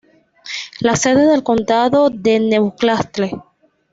La sede del condado es Newcastle.